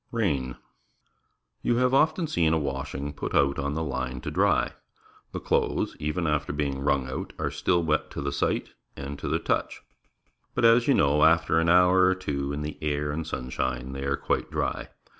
Rain. — You have often seen a washing put out on the line to dry. The clothes, even after benig wrung out, are still wet to the sight and to the touch, feut, as you know, after an hour or two in the air and sunshine, they are quite dry.